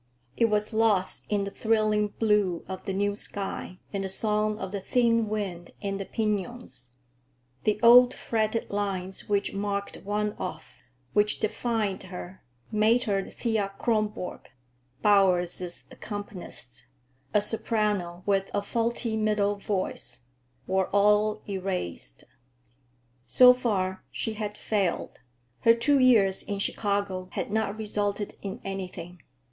It was lost in the thrilling blue of the new sky and the song of the thin wind in the piñons. The old, fretted lines which marked one off, which defined her,—made her Thea Kronborg, Bowers's accompanist, a soprano with a faulty middle voice,—were all erased. So far she had failed. Her two years in Chicago had not resulted in anything.